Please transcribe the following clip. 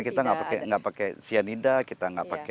karena kita nggak pakai cyanida kita nggak pakai